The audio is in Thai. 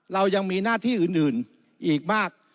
เรายังมีหน้าที่อื่นอีกมาก